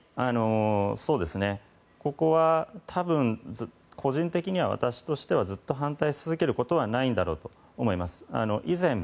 ここはたぶん個人的にはずっと反対し続けることはないんだろうと思います。